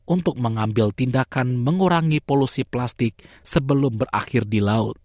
untuk mengambil tindakan mengurangi polusi plastik sebelum berakhir di laut